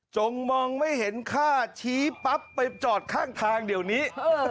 จงมองไม่เห็นค่าชี้ปั๊บไปจอดข้างทางเดี๋ยวนี้